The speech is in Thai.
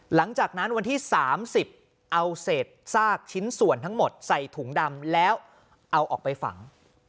หลังจากนั้นวันที่๓๐เอาเศษซากชิ้นส่วนทั้งหมดใส่ถุงดำแล้วเอาออกไปฝัง